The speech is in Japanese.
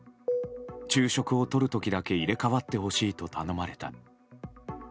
昼食をとる時だけ入れ替わってほしいと頼まれた。